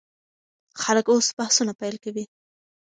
خلک اوس بحثونه پیل کوي.